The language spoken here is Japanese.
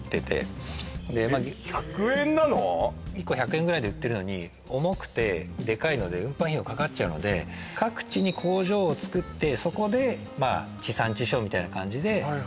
１個１００円ぐらいで売ってるのに重くてデカいので運搬費用かかっちゃうので各地に工場を作ってそこでまあ地産地消みたいな感じではい